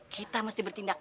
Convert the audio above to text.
kita mesti bertindak